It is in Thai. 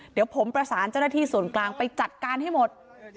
เดี๋ยวผมประสานเจ้าหน้าที่ส่วนกลางไปจัดการให้หมด